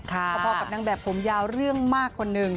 พอกับนางแบบผมยาวเรื่องมากคนหนึ่ง